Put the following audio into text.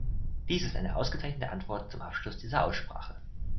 Dies ist eine ausgezeichnete Antwort zum Abschluss dieser Aussprache.